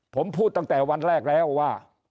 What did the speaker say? ผมพูดตั้งแต่วันแรกแล้วว่า